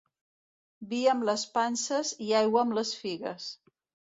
Vi amb les panses i aigua amb les figues.